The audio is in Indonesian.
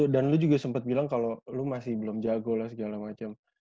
dan lu juga sempet bilang kalo lu masih belum jago lah segala macem